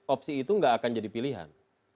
opsi itu nggak akan jadi pilihan